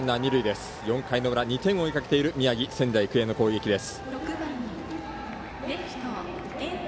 ４回の裏、２点を追いかけている仙台育英の攻撃です。